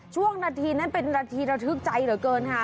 ช่วงนาทีนั้นเป็นนาทีระทึกใจเหลือเกินค่ะ